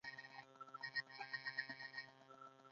شا و خوا نږدې کورونه، موټر او خلک نه ښکارېدل.